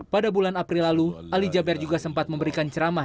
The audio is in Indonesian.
pada bulan april lalu ali jaber juga sempat memberikan ceramah